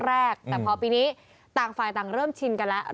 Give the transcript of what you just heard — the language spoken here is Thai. แรกแต่พอปีนี้ต่างฝ่ายต่างเริ่มชินกันแล้ว